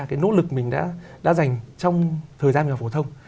cái nỗ lực mình đã dành trong thời gian trung học phổ thông